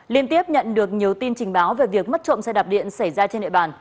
liên tiếp nhận được nhiều tin trình báo về việc mất trộm xe đạp điện xảy ra trên địa bàn